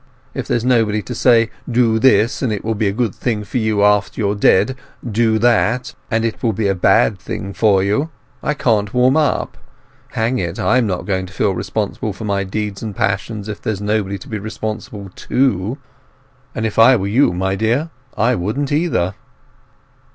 If there's nobody to say, 'Do this, and it will be a good thing for you after you are dead; do that, and it will be a bad thing for you,' I can't warm up. Hang it, I am not going to feel responsible for my deeds and passions if there's nobody to be responsible to; and if I were you, my dear, I wouldn't either!"